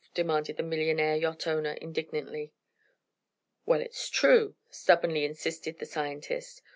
demanded the millionaire yacht owner, indignantly. "Well, it's true," stubbornly insisted the scientist.